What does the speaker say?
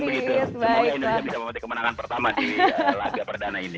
semoga indonesia bisa memakai kemenangan pertama di laga perdana ini